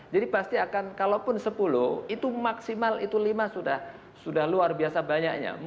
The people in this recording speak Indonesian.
jadi pasti akan kalaupun sepuluh itu maksimal itu lima sudah luar biasa banyaknya